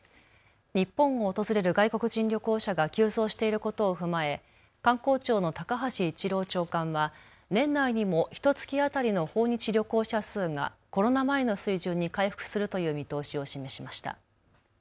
日本を訪れる外国人旅行者が急増していることを踏まえ観光庁の高橋一郎長官は年内にもひとつき当たりの訪日旅行者数がコロナ前の水準に回復するという見通しを示しました。